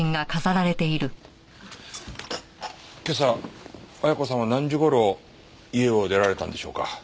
今朝綾子さんは何時頃家を出られたんでしょうか？